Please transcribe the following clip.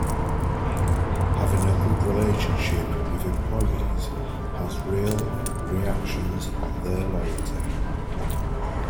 Having a good relationship with employees has real reactions on their loyalty.